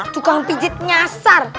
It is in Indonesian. tukang pijit nyasar